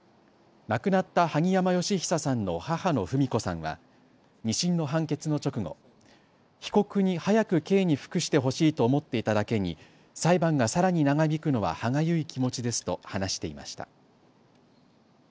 亡くなった萩山嘉久さんの母の文子さんは２審の判決の直後、被告に早く刑に服してほしいと思っていただけに裁判がさらに長引くのは歯がゆい気持ちですと話していました。